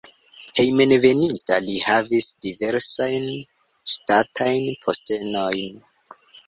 Hejmenveninta li havis diversajn ŝtatajn postenojn.